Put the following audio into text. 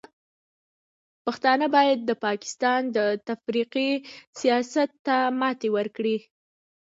پښتانه باید د پاکستان د تفرقې سیاست ته ماتې ورکړي.